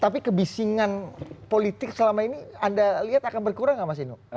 tapi kebisingan politik selama ini anda lihat akan berkurang nggak mas inu